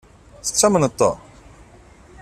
Tettamneḍ-ten?